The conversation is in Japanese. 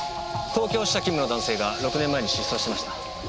東京支社勤務の男性が６年前に失踪してました。